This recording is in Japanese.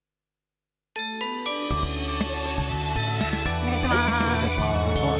お願いします。